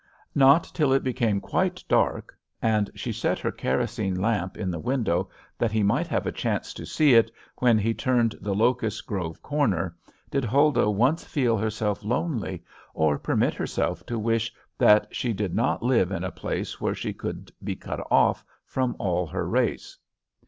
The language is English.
Not till it became quite dark, and she set her kerosene lamp in the window that he might have a chance to see it when he turned the Locust Grove corner, did Huldah once feel herself lonely, or permit herself to wish that she did not live in a place where she could be cut off from all her race.